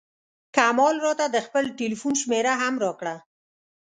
کمال راته د خپل ټیلفون شمېره هم راکړه.